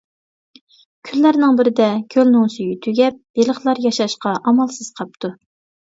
كۈنلەرنىڭ بىرىدە كۆلنىڭ سۈيى تۈگەپ بېلىقلار ياشاشقا ئامالسىز قاپتۇ.